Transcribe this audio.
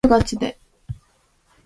Seventh Army, Germany.